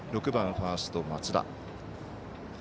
６番ファースト松田。